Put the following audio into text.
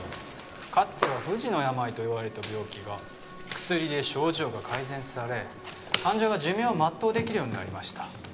「かつては不治の病といわれた病気が」「薬で症状が改善され」「患者が寿命を全うできるようになりました」